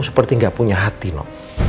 seperti gak punya hati no